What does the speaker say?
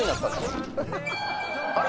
あれ？